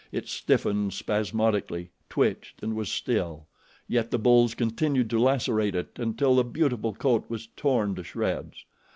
It stiffened spasmodically, twitched and was still, yet the bulls continued to lacerate it until the beautiful coat was torn to shreds.